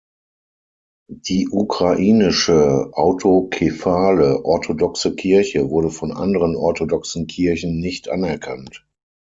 Die Ukrainische Autokephale Orthodoxe Kirche wurde von anderen orthodoxen Kirchen nicht anerkannt.